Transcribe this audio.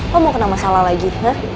lu mau kena masalah lagi ha